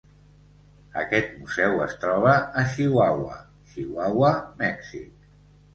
Aquest museu es troba a Chihuahua, Chihuahua, Mèxic.